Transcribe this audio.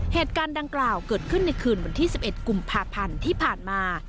เหตุการณ์ดังกล่าวเกิดขึ้นในคืนวันที่๑๑กุมภาพันธ์ที่ผ่านมา